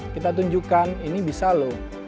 kita tunjukkan ini bisa loh